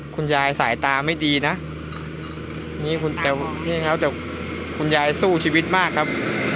คุณยายสายตาไม่ดีนะนี่ครับคุณยายสู้ชีวิตมากครับ